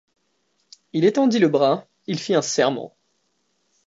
Il étendit le bras, il fit un serment.